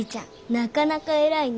なかなか偉いね。